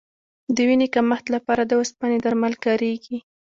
د وینې کمښت لپاره د اوسپنې درمل کارېږي.